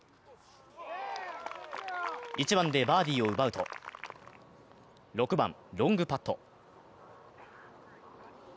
１番でバーディーを奪うと、６番・ロングパット。